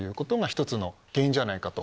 １つの原因じゃないかと。